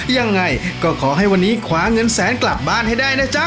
ยังไงก็ขอให้วันนี้คว้าเงินแสนกลับบ้านให้ได้นะจ๊ะ